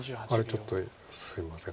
ちょっとすいません。